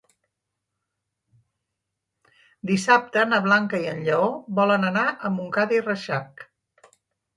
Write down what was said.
Dissabte na Blanca i en Lleó volen anar a Montcada i Reixac.